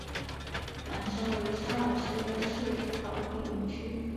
王诏为大学士曹鼐女婿。